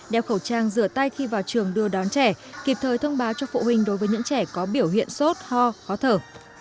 đeo khẩu trang rửa tay khi vào trường đưa đón trẻ kịp thời thông báo cho phụ huynh đối với những trẻ có biểu hiện sốt ho khó thở